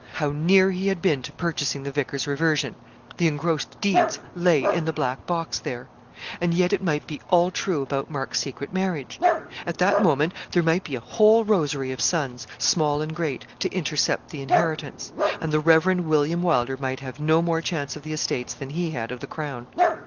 How near he had been to purchasing the vicar's reversion! The engrossed deeds lay in the black box there. And yet it might be all true about Mark's secret marriage. At that moment there might be a whole rosary of sons, small and great, to intercept the inheritance; and the Reverend William Wylder might have no more chance of the estates than he had of the crown.